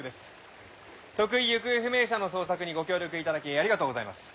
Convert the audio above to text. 特異行方不明者の捜索にご協力頂きありがとうございます。